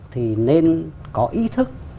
thì nên có ý thức